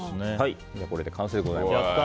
これで完成でございます。